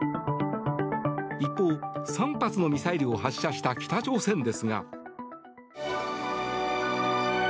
一方、３発のミサイルを発射した北朝鮮ですが。